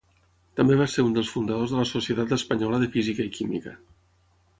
També va ser un dels fundadors de la Societat Espanyola de Física i Química.